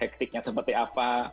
hektiknya seperti apa